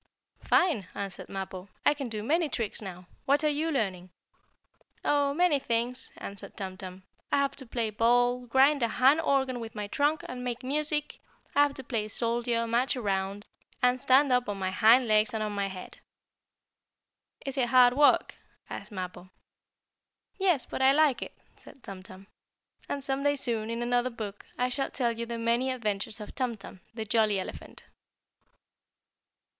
"Fine!" answered Mappo. "I can do many tricks now. What are you learning?" "Oh, many things," answered Tum Tum. "I have to play ball, grind a hand organ with my trunk and make music, I have to play soldier, march around, and stand up on my hind legs and on my head." "Is it hard work?" asked Mappo. "Yes, but I like it," said Tum Tum. And some day soon, in another book, I shall tell you the many adventures of Tum Tum, the jolly elephant.